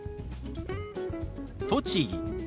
「栃木」。